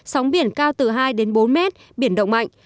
sóng biển cao từ hai đến bốn mét biển động mạnh